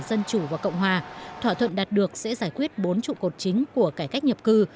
dân chủ và cộng hòa thỏa thuận đạt được sẽ giải quyết bốn trụ cột chính của cải cách nhập cư